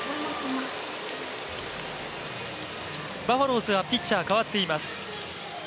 バファローズはピッチャー代わっています。